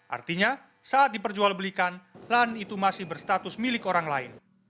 artinya saat diperjualbelikan lahan itu masih berstatus milik orang lain